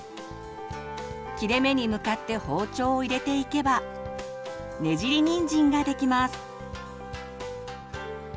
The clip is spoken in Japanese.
切れ目に向かって包丁を入れていけば「ねじりにんじん」ができます。